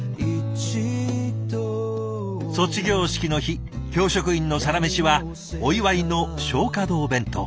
卒業式の日教職員のサラメシはお祝いの松花堂弁当。